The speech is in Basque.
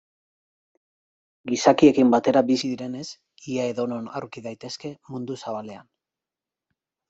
Gizakiekin batera bizi direnez, ia edonon aurki daitezke mundu zabalean.